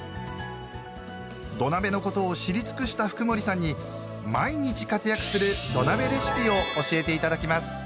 土鍋のことを知り尽くした福森さんに毎日活躍する土鍋レシピを教えていただきます。